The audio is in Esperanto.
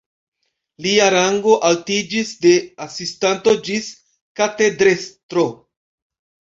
Lia rango altiĝis de asistanto ĝis katedrestro.